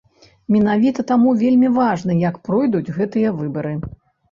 Менавіта таму вельмі важна, як пройдуць гэтыя выбары.